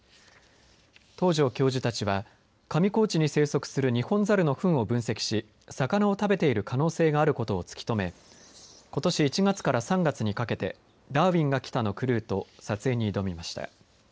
東城教授たちは上高地に生息するニホンザルのふんを分析し魚を食べている可能性があることを突き止め今年１月から３月にかけダーウィンが来た！のクルーと撮影に挑みました。